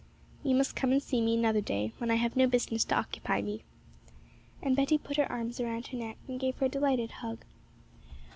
'You must come and see me another day, when I have no business to occupy me.' And Betty put her arms round her neck, and gave her a delighted hug.